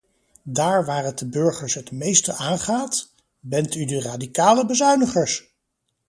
Daar waar het de burgers het meeste aangaat, bent u de radicale bezuinigers!